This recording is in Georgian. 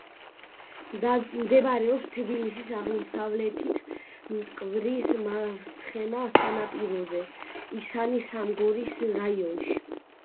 მდებარეობს თბილისის აღმოსავლეთით, მტკვრის მარცხენა სანაპიროზე, ისანი-სამგორის რაიონში.